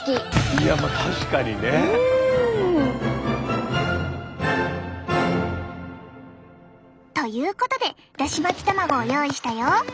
いや確かにね。ということでだし巻き卵を用意したよ。